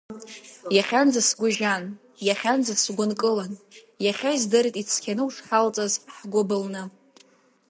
Иахьанӡа сгәы жьан, иахьанӡа сгәы нкылан, иахьа издырит ицқьаны ушҳалҵыз, ҳгәы былны.